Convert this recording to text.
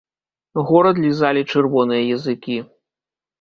Горад лізалі чырвоныя языкі.